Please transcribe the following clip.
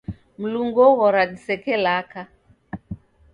Mlungu oghora diseke laka